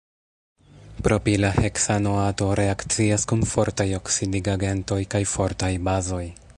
Propila heksanoato reakcias kun fortaj oksidigagentoj kaj fortaj bazoj.